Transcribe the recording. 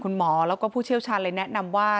คุณหมอแล้วก็ผู้เชี่ยวชาญเลยแนะนำว่า